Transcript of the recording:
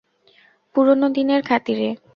পুরোনো দিনের খাতিরে।